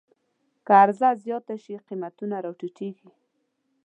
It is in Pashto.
که عرضه زیاته شي، قیمتونه راټیټېږي.